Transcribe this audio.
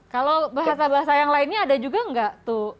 kalau bahasa bahasa yang lainnya ada juga nggak tuh